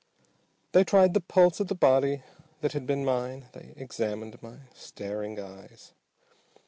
They tried the pulse of the body that had been mine, they examined my staring eyes.